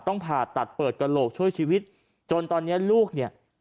ผ่าตัดเปิดกระโหลกช่วยชีวิตจนตอนนี้ลูกเนี่ย